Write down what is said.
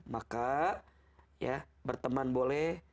maka berteman boleh